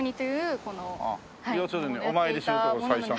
要するにお参りする所最初の。